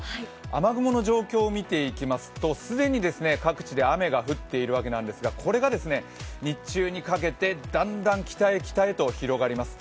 雨雲の状況を見ていきますと、既に各地で雨が降っているわけなんですがこれが日中にかけて、だんだん北へ北へと広がります。